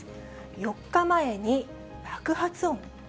４日前に爆発音？